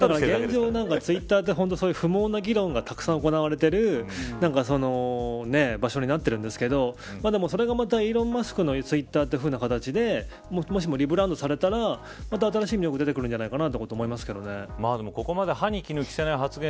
ツイッターは、不毛な議論がたくさん行われている場所になっているんですけどもそれが、またイーロン・マスクのツイッターというような形でもしも、リブランドされたらまた新しい意欲が出てくるんじゃないかと思いますけどね。